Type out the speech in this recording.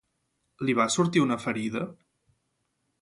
Li va sortir una ferida?